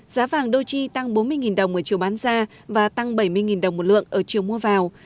giá vàng doji tăng bốn mươi đồng ở chiều bán ra và tăng bảy mươi đồng một lượng ở chiều mua vào